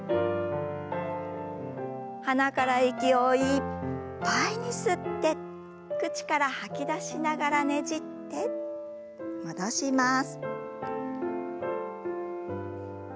鼻から息をいっぱいに吸って口から吐き出しながらねじって戻します。